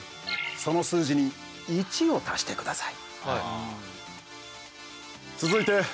その数字に６を足してください。